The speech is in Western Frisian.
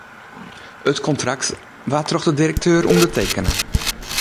It kontrakt waard troch de direkteur ûndertekene.